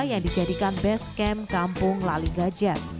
yang dijadikan basecamp kampung lali gadget